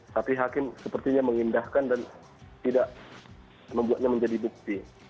tapi hakim sepertinya mengindahkan dan tidak membuatnya menjadi bukti